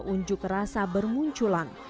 unjuk rasa bermunculan